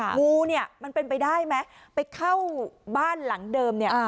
งูเนี่ยมันเป็นไปได้ไหมไปเข้าบ้านหลังเดิมเนี่ย